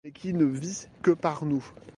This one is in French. Mais qui ne vit que par nous.